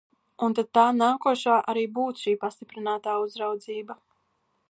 Un tad tā nākošā arī būtu šī pastiprinātā uzraudzība.